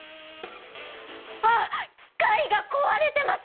あっ機械が壊れてます！